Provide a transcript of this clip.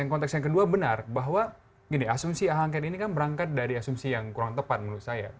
yang konteks yang kedua benar bahwa asumsi angket ini kan berangkat dari asumsi yang kurang tepat menurut saya